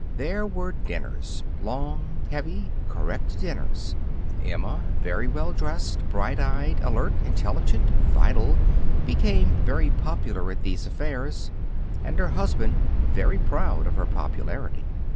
There were dinners long, heavy, correct dinners. Emma, very well dressed, bright eyed, alert, intelligent, vital, became very popular at these affairs, and her husband very proud of her popularity.